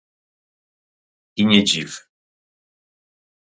"I nie dziw!"